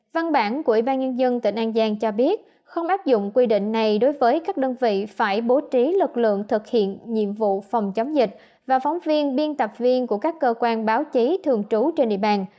văn bản của ủy ban nhân dân tỉnh an giang cho biết không áp dụng quy định này đối với các đơn vị phải bố trí lực lượng thực hiện nhiệm vụ phòng chống dịch và phóng viên biên tập viên của các cơ quan báo chí thường trú trên địa bàn